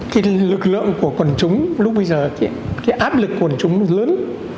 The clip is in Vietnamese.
cái lực lượng của quần chúng lúc bấy giờ cái áp lực của quần chúng lớn